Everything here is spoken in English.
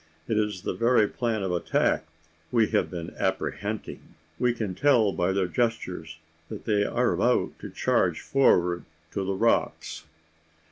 It is the very plan of attack we have been apprehending! We can tell by their gestures that they are about to charge forward to the rocks.